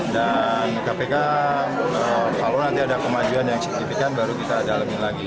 dan kpk kalau nanti ada kemajuan yang signifikan baru kita dalamin lagi